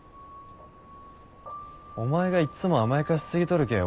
お前がいつも甘やかしすぎとるけん